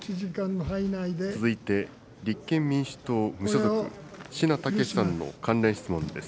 続いて立憲民主党・無所属、階猛さんの関連質問です。